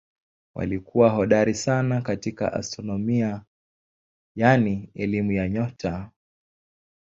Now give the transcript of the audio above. Walikuwa hodari sana katika astronomia yaani elimu ya nyota.